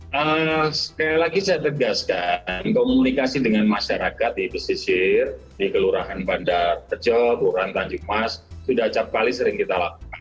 sekali lagi saya tegaskan komunikasi dengan masyarakat di pesisir di kelurahan bandar tejo kelurahan tanjung mas sudah acapkali sering kita lakukan